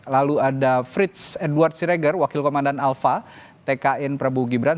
lalu ada fritz edward schreger wakil komandan alfa tkn prabu gibran